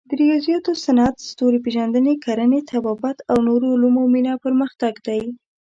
د ریاضیاتو، صنعت، ستوري پېژندنې، کرنې، طبابت او نورو علومو مینه پرمختګ دی.